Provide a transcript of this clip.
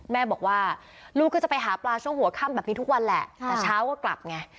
แม่บอกว่าลูกก็จะไปหาปลาช่วงหัวค่ำแบบนี้ทุกวันแหละแต่เช้าก็กลับไง